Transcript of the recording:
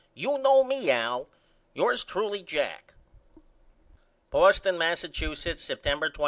You know me Al. Yours truly, JACK. Boston, Massachusetts, September 24.